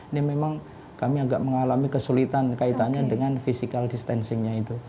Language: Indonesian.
ini memang kami agak mengalami kesulitan kaitannya dengan physical distancingnya itu